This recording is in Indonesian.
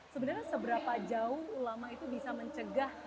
sebenarnya seberapa jauh ulama itu bisa mencegah